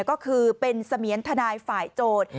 ก็คือเป็นเสมียนทนายฝ่ายโจทย์